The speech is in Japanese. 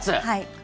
はい。